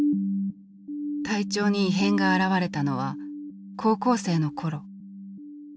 体調に異変が現れたのは高校生の頃。